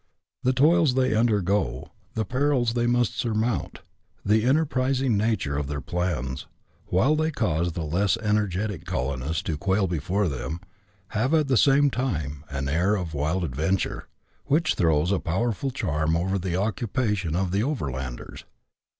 The toils they undergo, the perils they must sur mount, the enterprising nature of their plans, while they cause the less energetic colonist to quail before them, have, at the same time, an air of wild adventure, which throws a powerful charm over the occupation of the overlanders.